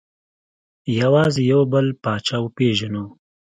یوازې یو بل پاچا پېژنو.